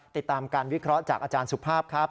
ติดตามการวิเคราะห์จากอาจารย์สุภาพครับ